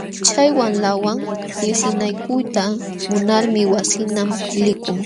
Chay wamlawan liqsinakuyta munalmi wasinman likun.